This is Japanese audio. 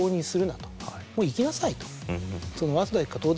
もう行きなさいと。